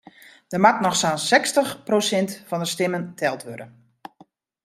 Der moat noch sa'n sechstich prosint fan de stimmen teld wurde.